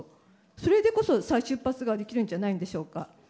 それでこそ再出発ができるんじゃないでしょうか。